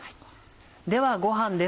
ではご飯です